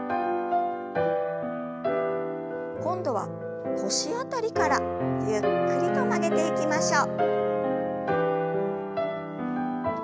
今度は腰辺りからゆっくりと曲げていきましょう。